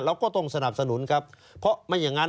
เราก็ต้องสนับสนุนครับเพราะไม่อย่างนั้น